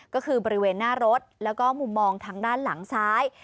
ก็คือบริเวณหน้ารถแล้วก็มุมมองทางด้านหลังซ้าย